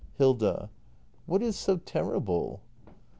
Hilda. What is so terrible